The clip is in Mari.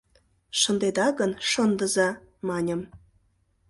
— Шындеда гын — шындыза! — маньым.